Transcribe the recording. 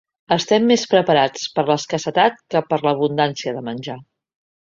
Estem més preparats per a l’escassetat que per a l’abundància de menjar.